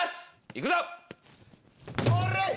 いくぞ！